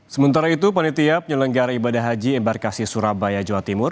sementara itu panitia penyelenggara ibadah haji embarkasi surabaya jawa timur